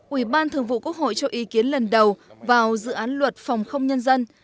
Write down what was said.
ubthqh cho ý kiến lần đầu vào dự án luật phòng không nhân dân